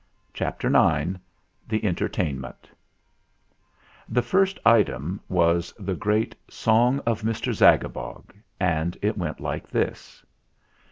CHAPTER IX THE ENTERTAINMENT The first item was the great "Song of Mr. Zagabog" ; and it went like this : i.